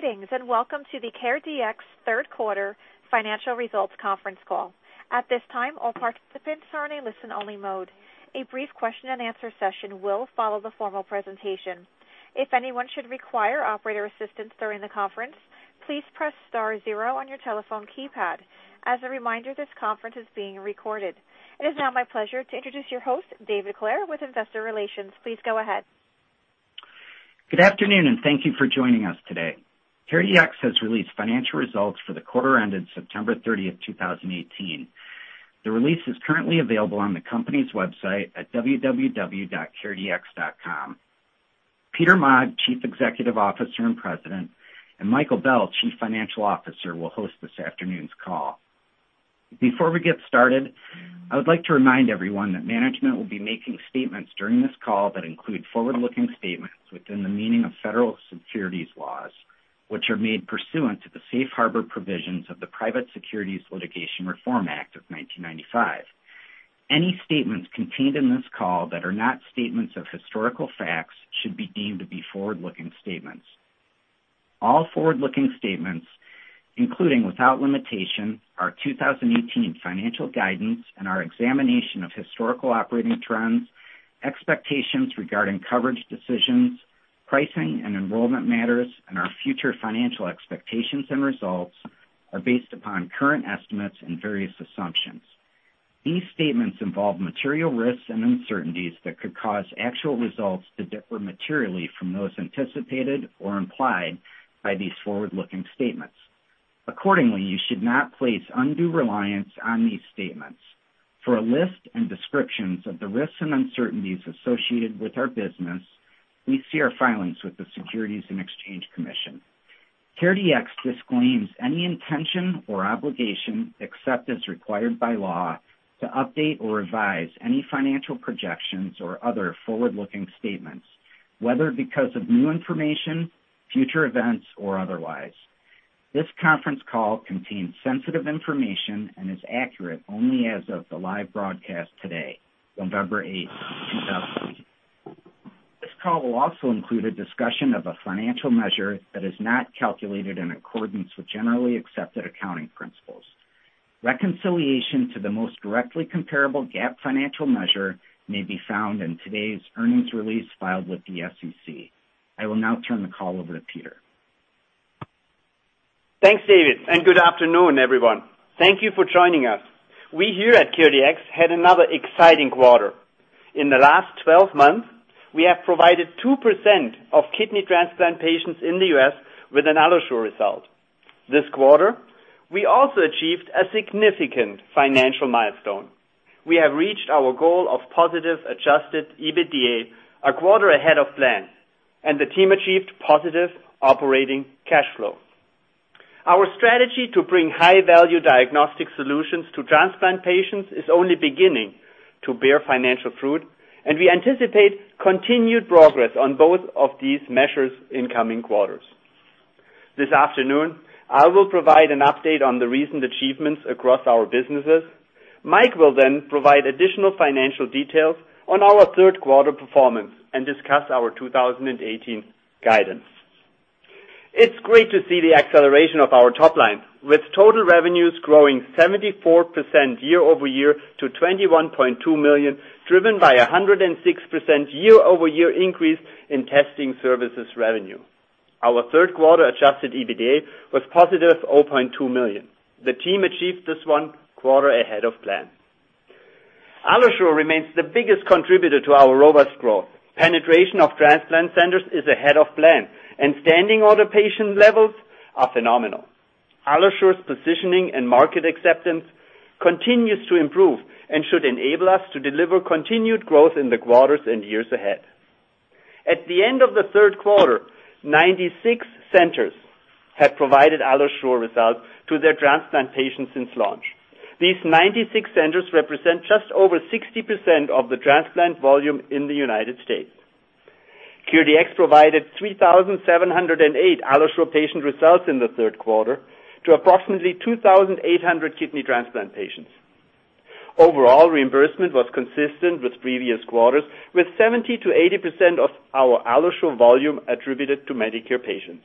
Greetings, and welcome to the CareDx third quarter financial results conference call. At this time, all participants are in a listen-only mode. A brief question-and-answer session will follow the formal presentation. If anyone should require operator assistance during the conference, please press star zero on your telephone keypad. As a reminder, this conference is being recorded. It is now my pleasure to introduce your host, David Clair with investor relations. Please go ahead. Good afternoon, and thank you for joining us today. CareDx has released financial results for the quarter ended September 30th, 2018. The release is currently available on the company's website at www.caredx.com. Peter Maag, Chief Executive Officer and President, and Michael Bell, Chief Financial Officer, will host this afternoon's call. Before we get started, I would like to remind everyone that management will be making statements during this call that include forward-looking statements within the meaning of Federal Securities laws, which are made pursuant to the Safe Harbor provisions of the Private Securities Litigation Reform Act of 1995. Any statements contained in this call that are not statements of historical facts should be deemed to be forward-looking statements. All forward-looking statements, including, without limitation, our 2018 financial guidance and our examination of historical operating trends, expectations regarding coverage decisions, pricing and enrollment matters, and our future financial expectations and results, are based upon current estimates and various assumptions. These statements involve material risks and uncertainties that could cause actual results to differ materially from those anticipated or implied by these forward-looking statements. Accordingly, you should not place undue reliance on these statements. For a list and descriptions of the risks and uncertainties associated with our business, please see our filings with the Securities and Exchange Commission. CareDx disclaims any intention or obligation, except as required by law, to update or revise any financial projections or other forward-looking statements, whether because of new information, future events, or otherwise. This conference call contains sensitive information and is accurate only as of the live broadcast today, November 8th, 2018. This call will also include a discussion of a financial measure that is not calculated in accordance with generally accepted accounting principles. Reconciliation to the most directly comparable GAAP financial measure may be found in today's earnings release filed with the SEC. I will now turn the call over to Peter. Thanks, David, and good afternoon, everyone. Thank you for joining us. We here at CareDx had another exciting quarter. In the last 12 months, we have provided 2% of kidney transplant patients in the U.S. with an AlloSure result. This quarter, we also achieved a significant financial milestone. We have reached our goal of positive adjusted EBITDA a quarter ahead of plan, and the team achieved positive operating cash flow. Our strategy to bring high-value diagnostic solutions to transplant patients is only beginning to bear financial fruit, and we anticipate continued progress on both of these measures in coming quarters. This afternoon, I will provide an update on the recent achievements across our businesses. Mike will then provide additional financial details on our third quarter performance and discuss our 2018 guidance. It's great to see the acceleration of our top line, with total revenues growing 74% year-over-year to $21.2 million, driven by 106% year-over-year increase in testing services revenue. Our third quarter adjusted EBITDA was +$0.2 million. The team achieved this one quarter ahead of plan. AlloSure remains the biggest contributor to our robust growth. Penetration of transplant centers is ahead of plan, and standing order patient levels are phenomenal. AlloSure's positioning and market acceptance continues to improve and should enable us to deliver continued growth in the quarters and years ahead. At the end of the third quarter, 96 centers had provided AlloSure results to their transplant patients since launch. These 96 centers represent just over 60% of the transplant volume in the United States. CareDx provided 3,708 AlloSure patient results in the third quarter to approximately 2,800 kidney transplant patients. Overall reimbursement was consistent with previous quarters, with 70%-80% of our AlloSure volume attributed to Medicare patients.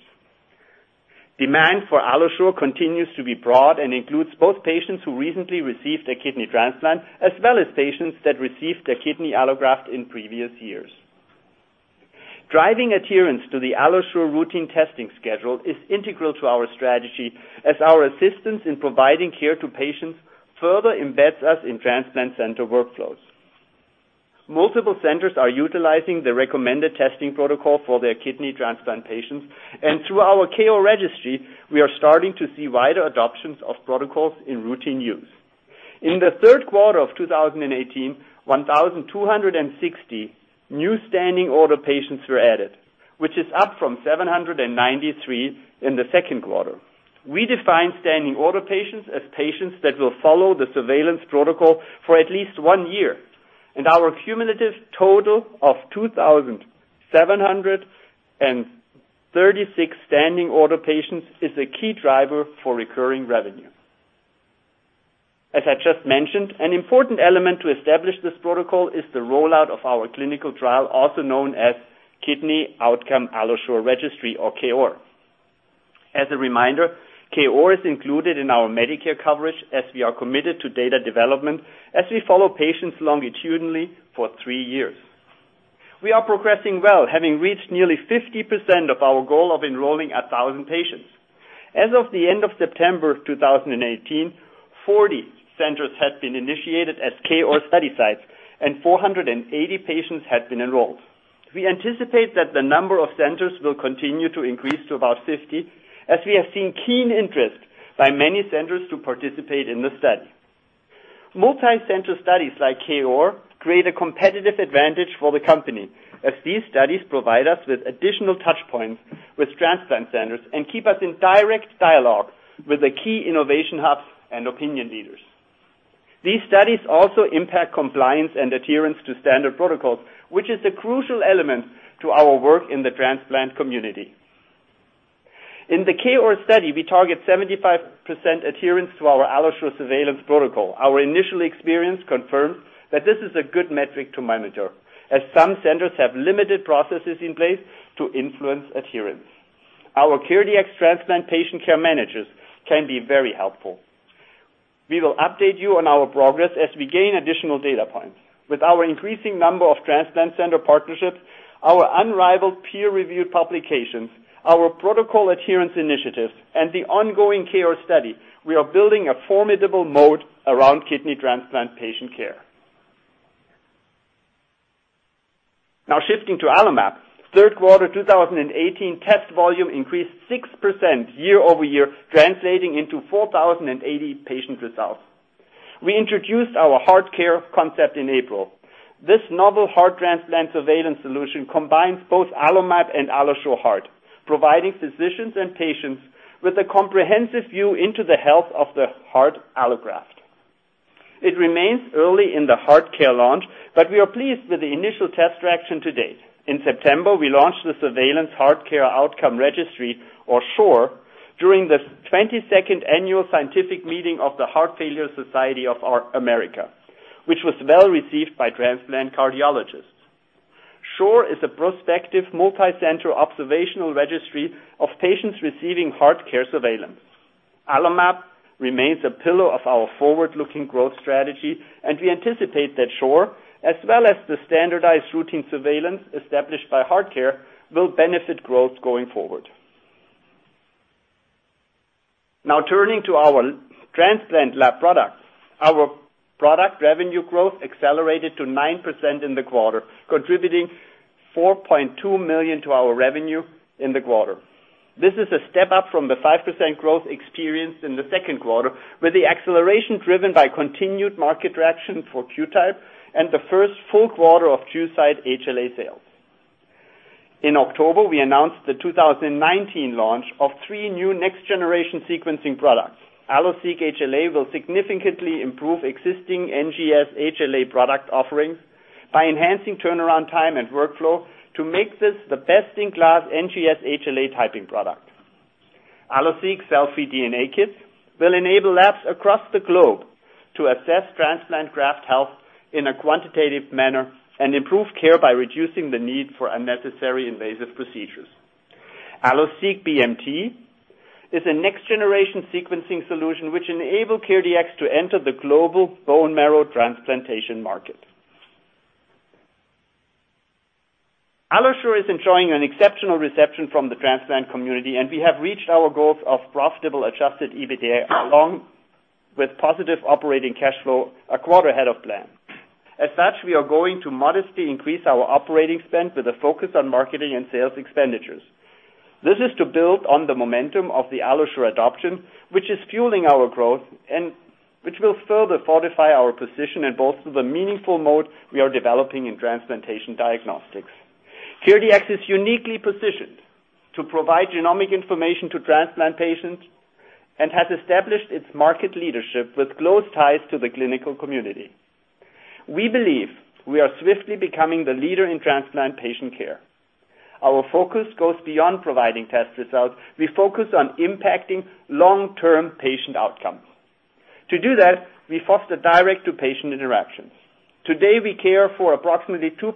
Demand for AlloSure continues to be broad and includes both patients who recently received a kidney transplant, as well as patients that received a kidney allograft in previous years. Driving adherence to the AlloSure routine testing schedule is integral to our strategy as our assistance in providing care to patients further embeds us in transplant center workflows. Multiple centers are utilizing the recommended testing protocol for their kidney transplant patients, and through our KO registry, we are starting to see wider adoptions of protocols in routine use. In the third quarter of 2018, 1,260 new standing order patients were added, which is up from 793 in the second quarter. We define standing order patients as patients that will follow the surveillance protocol for at least one year, and our cumulative total of 2,736 standing order patients is a key driver for recurring revenue. As I just mentioned, an important element to establish this protocol is the rollout of our clinical trial, also known as Kidney Outcome AlloSure Registry, or KOAR. As a reminder, KOAR is included in our Medicare coverage, as we are committed to data development, as we follow patients longitudinally for three years. We are progressing well, having reached nearly 50% of our goal of enrolling 1,000 patients. As of the end of September 2018, 40 centers had been initiated as KOAR study sites, and 480 patients had been enrolled. We anticipate that the number of centers will continue to increase to about 50, as we have seen keen interest by many centers to participate in the study. Multi-center studies like KOAR create a competitive advantage for the company, as these studies provide us with additional touchpoints with transplant centers and keep us in direct dialogue with the key innovation hubs and opinion leaders. These studies also impact compliance and adherence to standard protocols, which is a crucial element to our work in the transplant community. In the KOAR study, we target 75% adherence to our AlloSure surveillance protocol. Our initial experience confirms that this is a good metric to monitor, as some centers have limited processes in place to influence adherence. Our CareDx transplant patient care managers can be very helpful. We will update you on our progress as we gain additional data points. With our increasing number of transplant center partnerships, our unrivaled peer-reviewed publications, our protocol adherence initiatives, and the ongoing KOAR study, we are building a formidable moat around kidney transplant patient care. Shifting to AlloMap. Third quarter 2018 test volume increased 6% year-over-year, translating into 4,080 patient results. We introduced our HeartCare concept in April. This novel heart transplant surveillance solution combines both AlloMap and AlloSure Heart, providing physicians and patients with a comprehensive view into the health of the heart allograft. It remains early in the HeartCare launch, but we are pleased with the initial test traction to date. In September, we launched the Surveillance HeartCare Outcome Registry, or SHORE, during the 22nd Annual Scientific Meeting of the Heart Failure Society of America, which was well-received by transplant cardiologists. SHORE is a prospective multi-center observational registry of patients receiving HeartCare surveillance. AlloMap remains a pillar of our forward-looking growth strategy, and we anticipate that SHORE, as well as the standardized routine surveillance established by HeartCare, will benefit growth going forward. Turning to our transplant lab products. Our product revenue growth accelerated to 9% in the quarter, contributing $4.2 million to our revenue in the quarter. This is a step-up from the 5% growth experienced in the second quarter, with the acceleration driven by continued market traction for QTYPE and the first full quarter of QCyte HLA sales. In October, we announced the 2019 launch of three new next-generation sequencing products. AlloSeq HLA will significantly improve existing NGS HLA product offerings by enhancing turnaround time and workflow to make this the best-in-class NGS HLA typing product. AlloSeq cell-free DNA kits will enable labs across the globe to assess transplant graft health in a quantitative manner and improve care by reducing the need for unnecessary invasive procedures. AlloSeq BMT is a next-generation sequencing solution which enable CareDx to enter the global bone marrow transplantation market. AlloSure is enjoying an exceptional reception from the transplant community. We have reached our goals of profitable adjusted EBITDA along with positive operating cash flow a quarter ahead of plan. We are going to modestly increase our operating spend with a focus on marketing and sales expenditures. This is to build on the momentum of the AlloSure adoption, which is fueling our growth and which will further fortify our position and bolster the meaningful moat we are developing in transplantation diagnostics. CareDx is uniquely positioned to provide genomic information to transplant patients and has established its market leadership with close ties to the clinical community. We believe we are swiftly becoming the leader in transplant patient care. Our focus goes beyond providing test results. We focus on impacting long-term patient outcomes. To do that, we foster direct to patient interactions. Today, we care for approximately 2%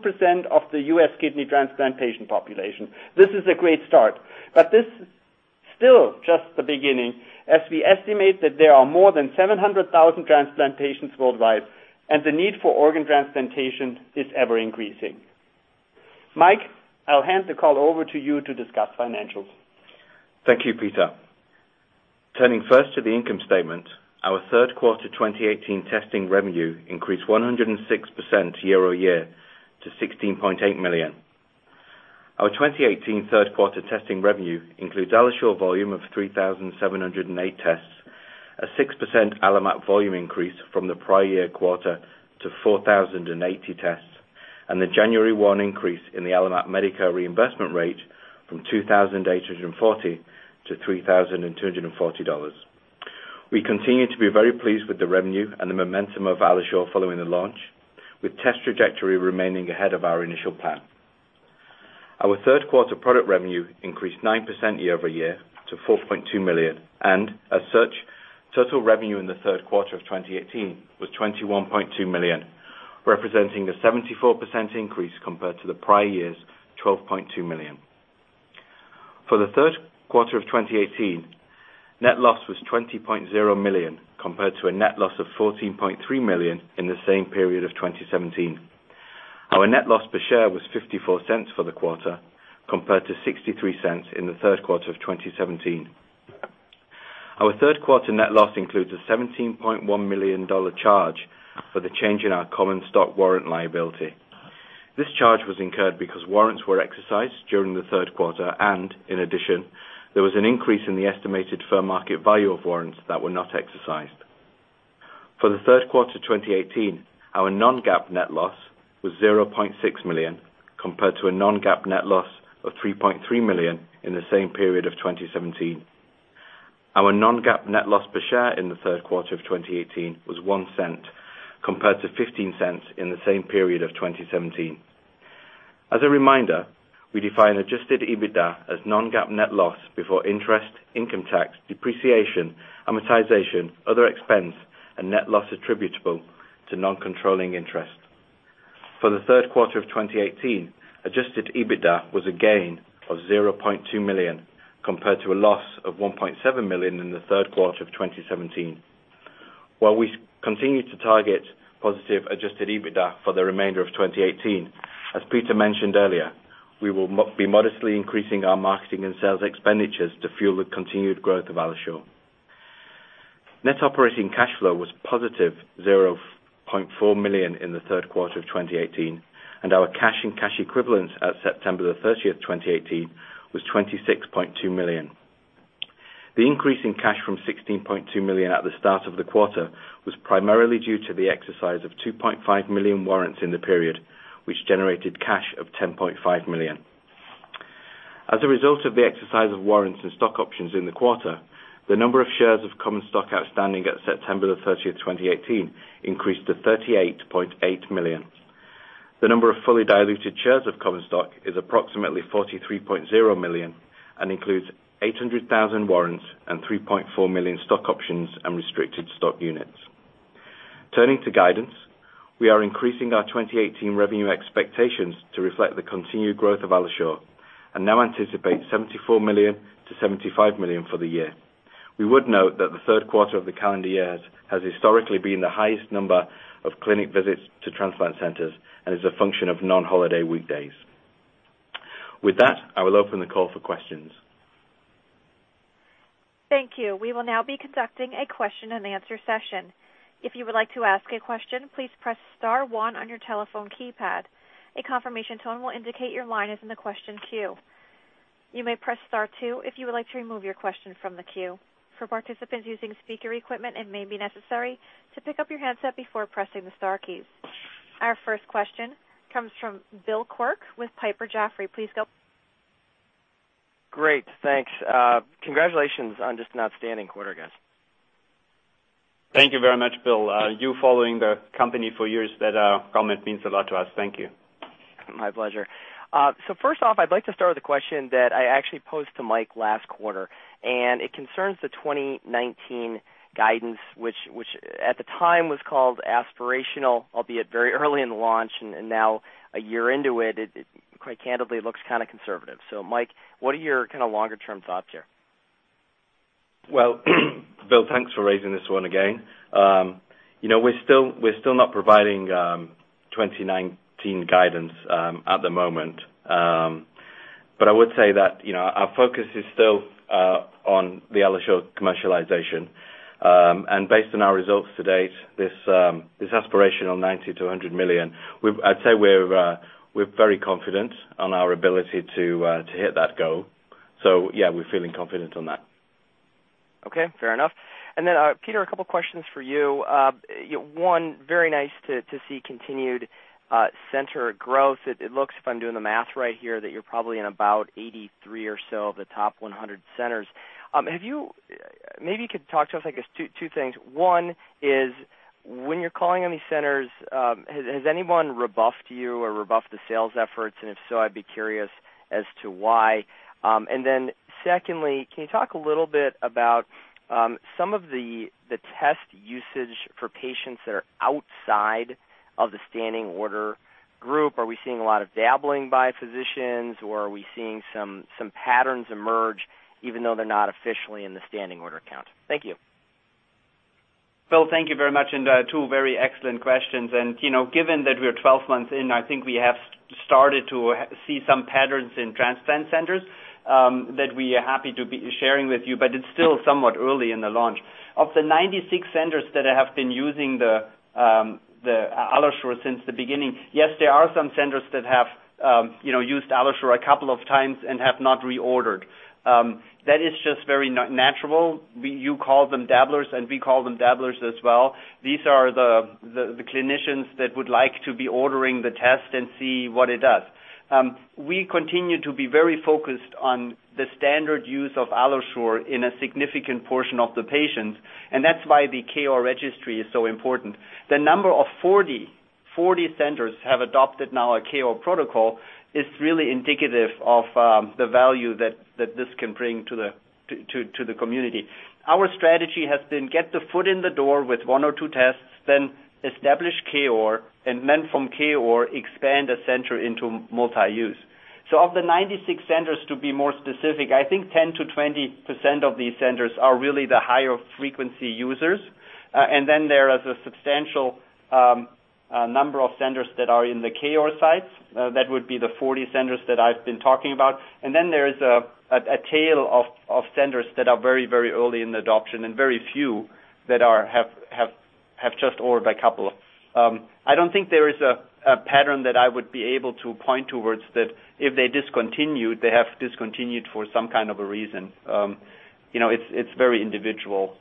of the U.S. kidney transplant patient population. This is a great start, but this is still just the beginning, as we estimate that there are more than 700,000 transplant patients worldwide, and the need for organ transplantation is ever-increasing. Mike, I'll hand the call over to you to discuss financials. Thank you, Peter. Turning first to the income statement, our third quarter 2018 testing revenue increased 106% year-over-year to $16.8 million. Our 2018 third quarter testing revenue includes AlloSure volume of 3,708 tests, a 6% AlloMap volume increase from the prior year quarter to 4,080 tests, and the January 1 increase in the AlloMap Medicare reimbursement rate from $2,840-$3,240. We continue to be very pleased with the revenue and the momentum of AlloSure following the launch, with test trajectory remaining ahead of our initial plan. Our third quarter product revenue increased 9% year-over-year to $4.2 million, and as such, total revenue in the third quarter of 2018 was $21.2 million, representing a 74% increase compared to the prior year's $12.2 million. For the third quarter of 2018, net loss was $20.0 million, compared to a net loss of $14.3 million in the same period of 2017. Our net loss per share was $0.54 for the quarter, compared to $0.63 in the third quarter of 2017. Our third quarter net loss includes a $17.1 million charge for the change in our common stock warrant liability. This charge was incurred because warrants were exercised during the third quarter, and in addition, there was an increase in the estimated fair market value of warrants that were not exercised. For the third quarter 2018, our non-GAAP net loss was $0.6 million, compared to a non-GAAP net loss of $3.3 million in the same period of 2017. Our non-GAAP net loss per share in the third quarter of 2018 was $0.01, compared to $0.15 in the same period of 2017. As a reminder, we define adjusted EBITDA as non-GAAP net loss before interest, income tax, depreciation, amortization, other expense, and net loss attributable to non-controlling interest. For the third quarter of 2018, adjusted EBITDA was a gain of $0.2 million, compared to a loss of $1.7 million in the third quarter of 2017. While we continue to target positive adjusted EBITDA for the remainder of 2018, as Peter mentioned earlier, we will be modestly increasing our marketing and sales expenditures to fuel the continued growth of AlloSure. Net operating cash flow was positive $0.4 million in the third quarter of 2018, and our cash and cash equivalents as of September the 30th, 2018 was $26.2 million. The increase in cash from $16.2 million at the start of the quarter was primarily due to the exercise of 2.5 million warrants in the period, which generated cash of $10.5 million. As a result of the exercise of warrants and stock options in the quarter, the number of shares of common stock outstanding at September the 30th 2018 increased to $38.8 million. The number of fully diluted shares of common stock is approximately $43.0 million and includes 800,000 warrants and 3.4 million stock options and restricted stock units. Turning to guidance, we are increasing our 2018 revenue expectations to reflect the continued growth of AlloSure and now anticipate $74 million-$75 million for the year. We would note that the third quarter of the calendar years has historically been the highest number of clinic visits to transplant centers and is a function of non-holiday weekdays. With that, I will open the call for questions. Thank you. We will now be conducting a question-and-answer session. If you would like to ask a question, please press star one on your telephone keypad. A confirmation tone will indicate your line is in the question queue. You may press star two if you would like to remove your question from the queue. For participants using speaker equipment, it may be necessary to pick up your handset before pressing the star keys. Our first question comes from Bill Quirk with Piper Jaffray. Please go. Great, thanks. Congratulations on just an outstanding quarter, guys. Thank you very much, Bill. You following the company for years, that comment means a lot to us. Thank you. My pleasure. First off, I'd like to start with a question that I actually posed to Mike last quarter, and it concerns the 2019 guidance, which at the time was called aspirational, albeit very early in the launch, and now a year into it quite candidly looks kind of conservative. Mike, what are your longer-term thoughts here? Well, Bill, thanks for raising this one again. We're still not providing 2019 guidance at the moment. I would say that our focus is still on the AlloSure commercialization. Based on our results to date, this aspirational $90 million-$100 million, I'd say we're very confident on our ability to hit that goal. Yeah, we're feeling confident on that. Okay, fair enough. Peter, a couple questions for you. One, very nice to see continued center growth. It looks, if I'm doing the math right here, that you're probably in about 83 or so of the top 100 centers. Maybe you could talk to us, I guess, two things. One is, when you're calling on these centers, has anyone rebuffed you or rebuffed the sales efforts? If so, I'd be curious as to why. Secondly, can you talk a little bit about some of the test usage for patients that are outside of the standing order group. Are we seeing a lot of dabbling by physicians, or are we seeing some patterns emerge even though they're not officially in the standing order count? Thank you. Bill, thank you very much. Two very excellent questions. Given that we're 12 months in, I think we have started to see some patterns in transplant centers that we are happy to be sharing with you, but it's still somewhat early in the launch. Of the 96 centers that have been using the AlloSure since the beginning, yes, there are some centers that have used AlloSure a couple of times and have not reordered. That is just very natural. You call them dabblers, we call them dabblers as well. These are the clinicians that would like to be ordering the test and see what it does. We continue to be very focused on the standard use of AlloSure in a significant portion of the patients, and that's why the KOAR registry is so important. The number of 40 centers have adopted now a KOAR protocol is really indicative of the value that this can bring to the community. Our strategy has been get the foot in the door with one or two tests, then establish KOAR, and then from KOAR, expand a center into multi-use. Of the 96 centers, to be more specific, I think 10%-20% of these centers are really the higher frequency users. There is a substantial number of centers that are in the KOAR sites. That would be the 40 centers that I've been talking about. There is a tail of centers that are very early in adoption and very few that have just ordered a couple. I don't think there is a pattern that I would be able to point towards that if they discontinued, they have discontinued for some kind of a reason. It's very individual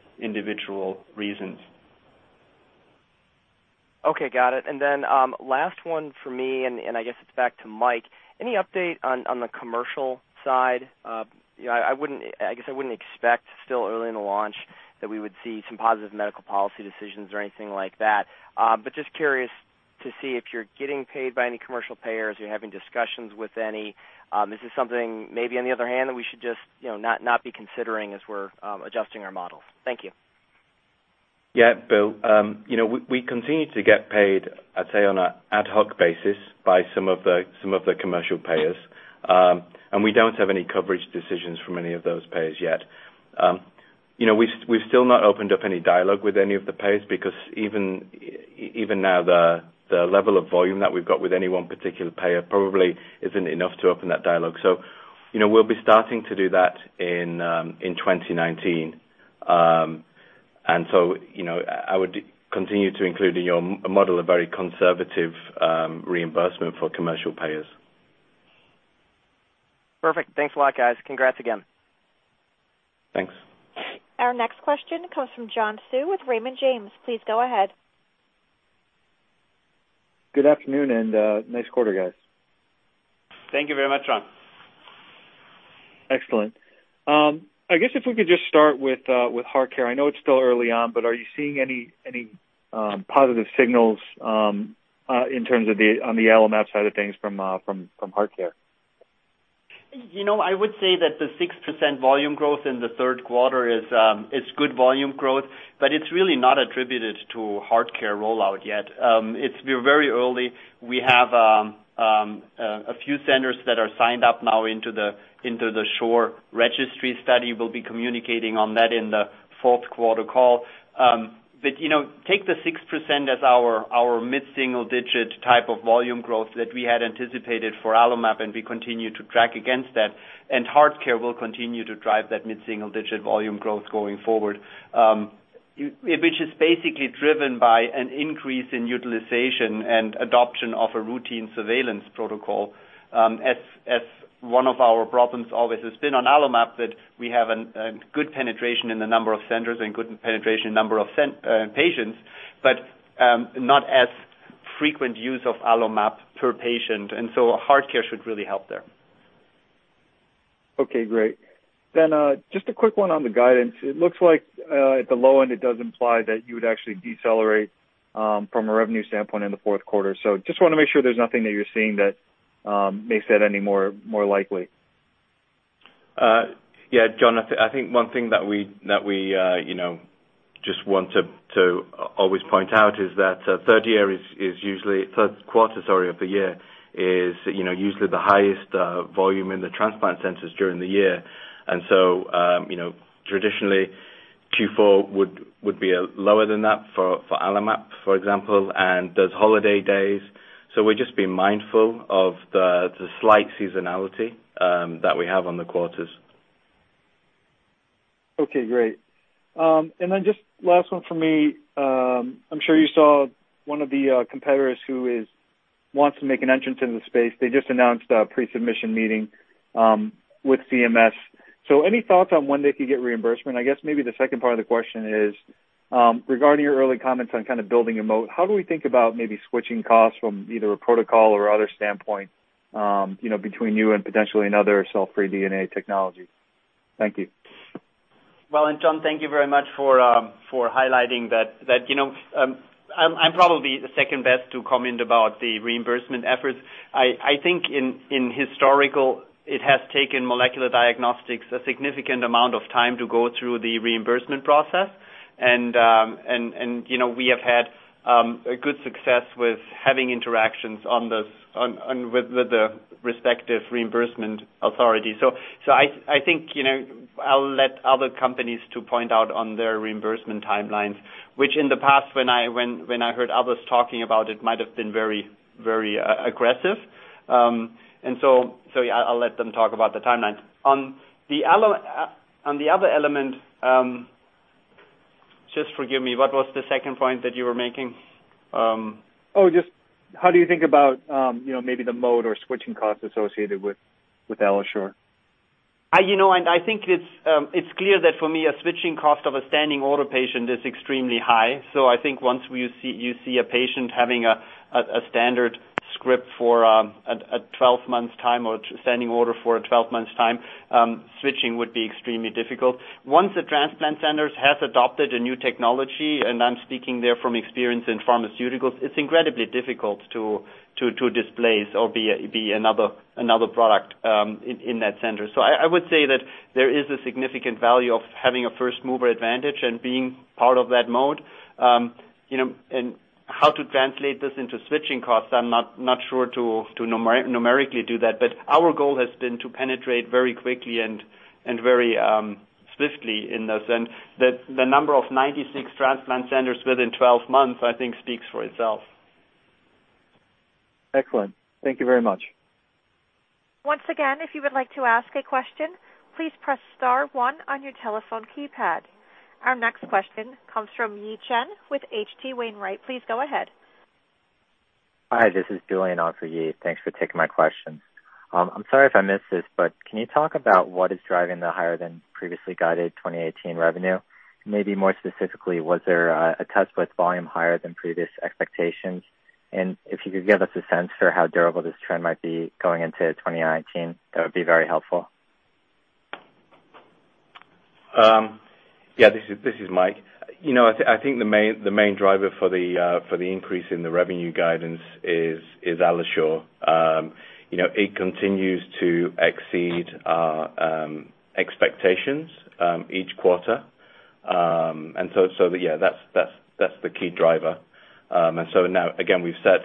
reasons. Okay, got it. Last one from me, and I guess it's back to Mike. Any update on the commercial side? I guess I wouldn't expect, still early in the launch, that we would see some positive medical policy decisions or anything like that. Just curious to see if you're getting paid by any commercial payers, you're having discussions with any. Is this something maybe, on the other hand, that we should just not be considering as we're adjusting our models? Thank you. Yeah, Bill. We continue to get paid, I'd say, on an ad hoc basis by some of the commercial payers. We don't have any coverage decisions from any of those payers yet. We've still not opened up any dialogue with any of the payers because even now, the level of volume that we've got with any one particular payer probably isn't enough to open that dialogue. We'll be starting to do that in 2019. I would continue to include in your model a very conservative reimbursement for commercial payers. Perfect. Thanks a lot, guys. Congrats again. Thanks. Our next question comes from John Hsu with Raymond James. Please go ahead. Good afternoon, nice quarter, guys. Thank you very much, John. Excellent. I guess if we could just start with HeartCare. I know it's still early on, but are you seeing any positive signals in terms of on the AlloMap side of things from HeartCare? I would say that the 6% volume growth in the third quarter is good volume growth, it's really not attributed to HeartCare rollout yet. We're very early. We have a few centers that are signed up now into the SHORE registry study. We'll be communicating on that in the fourth quarter call. Take the 6% as our mid-single digit type of volume growth that we had anticipated for AlloMap, we continue to track against that. HeartCare will continue to drive that mid-single digit volume growth going forward, which is basically driven by an increase in utilization and adoption of a routine surveillance protocol. As one of our problems always has been on AlloMap, that we have a good penetration in the number of centers and good penetration number of patients, but not as frequent use of AlloMap per patient. HeartCare should really help there. Okay, great. Just a quick one on the guidance. It looks like at the low end, it does imply that you would actually decelerate from a revenue standpoint in the fourth quarter. Just want to make sure there's nothing that you're seeing that makes that any more likely. Yeah, John, I think one thing that we just want to always point out is that third quarter, sorry, of the year is usually the highest volume in the transplant centers during the year. Traditionally Q4 would be lower than that for AlloMap, for example. There's holiday days, we'd just be mindful of the slight seasonality that we have on the quarters. Okay, great. Just last one from me. I'm sure you saw one of the competitors who wants to make an entrance in the space. They just announced a pre-submission meeting with CMS. Any thoughts on when they could get reimbursement? I guess maybe the second part of the question is, regarding your early comments on kind of building a moat, how do we think about maybe switching costs from either a protocol or other standpoint between you and potentially another cell-free DNA technology? Thank you. John, thank you very much for highlighting that. I'm probably the second best to comment about the reimbursement efforts. I think in historical, it has taken molecular diagnostics a significant amount of time to go through the reimbursement process. We have had a good success with having interactions with the respective reimbursement authorities. I think I'll let other companies to point out on their reimbursement timelines, which in the past when I heard others talking about it, might have been very aggressive. Yeah, I'll let them talk about the timeline. On the other element, just forgive me, what was the second point that you were making? Oh, just how do you think about maybe the moat or switching costs associated with AlloSure? I think it's clear that for me, a switching cost of a standing order patient is extremely high. I think once you see a patient having a standardscript for a 12 months time or standing order for a 12 months time, switching would be extremely difficult. Once the transplant centers have adopted a new technology, and I'm speaking there from experience in pharmaceuticals, it's incredibly difficult to displace or be another product in that center. I would say that there is a significant value of having a first-mover advantage and being part of that mode. How to translate this into switching costs, I'm not sure to numerically do that. Our goal has been to penetrate very quickly and very swiftly in the sense that the number of 96 transplant centers within 12 months, I think, speaks for itself. Excellent. Thank you very much. Once again, if you would like to ask a question, please press star one on your telephone keypad. Our next question comes from Yi Chen with H.C. Wainwright. Please go ahead. Hi, this is Julian on for Yi. Thanks for taking my question. I'm sorry if I missed this, but can you talk about what is driving the higher than previously guided 2018 revenue? Maybe more specifically, was there a touch with volume higher than previous expectations? If you could give us a sense for how durable this trend might be going into 2019, that would be very helpful. Yeah, this is Mike. I think the main driver for the increase in the revenue guidance is AlloSure. It continues to exceed our expectations each quarter. Yeah, that's the key driver. Now, again, we've set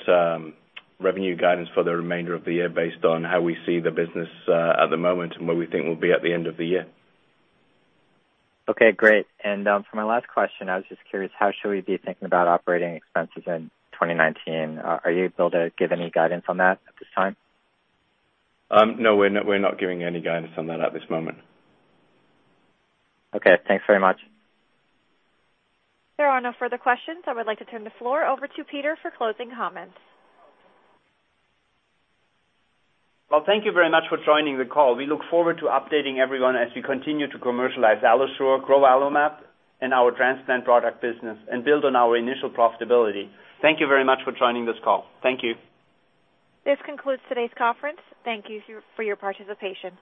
revenue guidance for the remainder of the year based on how we see the business at the moment and where we think we'll be at the end of the year. Okay, great. For my last question, I was just curious, how should we be thinking about operating expenses in 2019? Are you able to give any guidance on that at this time? No, we're not giving any guidance on that at this moment. Okay. Thanks very much. There are no further questions. I would like to turn the floor over to Peter for closing comments. Well, thank you very much for joining the call. We look forward to updating everyone as we continue to commercialize AlloSure, grow AlloMap and our transplant product business and build on our initial profitability. Thank you very much for joining this call. Thank you. This concludes today's conference. Thank you for your participation.